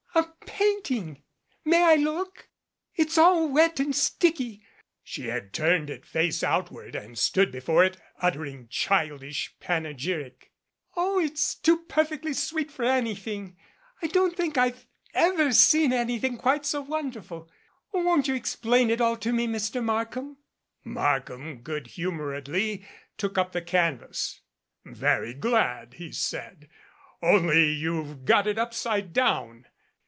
"A painting ! May I look ? It's all wet and sticky." She had turned it face outward and stood before it utter ing childish panegyric. "Oh, it's too perfectly sweet for anything. I don't think I've ever seen anything quite so wonderful. Won't you explain it all to me, Mr. Mark ham?" Markham good humoredly took up the canvas. "Very glad," he said, "only you've got it upside down."